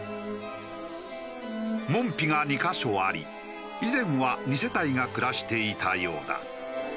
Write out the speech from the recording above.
門扉が２カ所あり以前は２世帯が暮らしていたようだ。